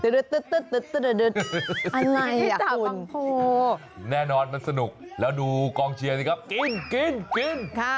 อะไรอ่ะแน่นอนมันสนุกแล้วดูกองเชียร์สิครับกินกิน